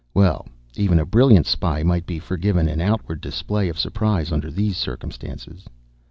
Well, even a brilliant spy might be forgiven an outward display of surprise under these circumstances.